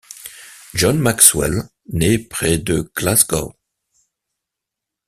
John Maxwell naît près de Glasgow.